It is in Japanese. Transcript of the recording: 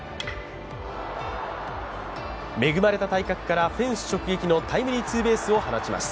恵まれた体格からフェンス直撃のタイムリーツーベースを放ちます。